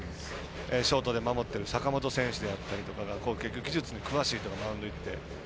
ショートで守ってる坂本選手であったりとかが結局、技術に詳しい人がマウンドに行って。